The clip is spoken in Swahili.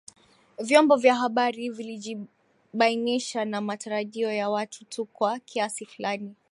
Vyombo vya habari vilijibainisha na matarajio ya watu tu kwa kiasi fulani